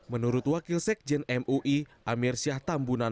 menurut wakil sekjen mui amir syah tambunan